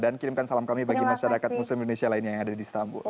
dan kirimkan salam kami bagi masyarakat muslim indonesia lainnya yang ada di istanbul